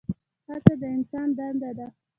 هڅه د انسان دنده ده؟